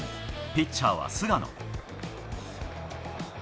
ピッチャーは菅野。